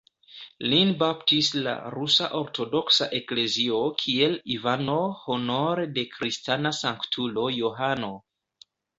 Lin baptis la Rusa Ortodoksa Eklezio kiel Ivano honore de kristana sanktulo "Johano".